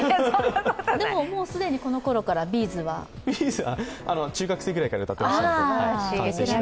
でももう既にこのころからＢ’ｚは？中学生ぐらいから歌っていました。